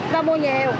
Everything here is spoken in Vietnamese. cam mua nhiều